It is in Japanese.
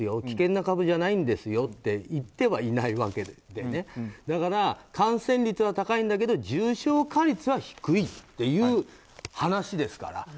危険な株じゃないんですよと言ってはいないわけでだから、感染率は高いんだけど重症化率は低いという話ですから。